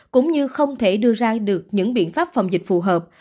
cũng như không thể đưa ra được những biện pháp phòng dịch phù hợp